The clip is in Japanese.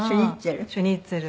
シュニッツェル？